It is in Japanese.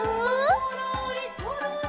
「そろーりそろり」